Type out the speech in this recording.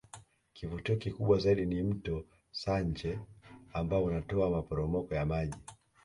Kivutio kikubwa zaidi ni Mto Sanje ambao unatoa maporomoko ya maji